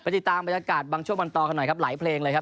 ติดตามบรรยากาศบางช่วงบางตอนกันหน่อยครับหลายเพลงเลยครับ